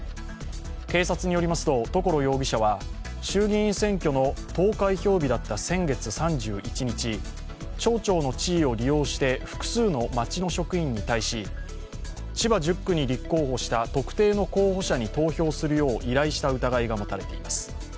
警察によりますと、所容疑者は衆議院選挙の投開票日だった先月３１日、町長の地位を利用して複数の町の職員に対し千葉１０区に立候補した特定の候補者に投票するよう依頼した疑いが持たれています。